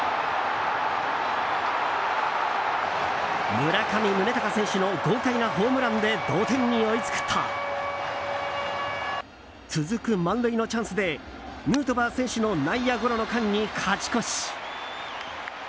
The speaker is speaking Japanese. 村上宗隆選手の豪快なホームランで同点に追いつくと続く満塁のチャンスでヌートバー選手の内野ゴロの間に勝ち越し。